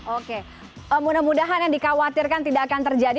oke mudah mudahan yang dikhawatirkan tidak akan terjadi